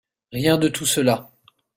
Rien de tout cela.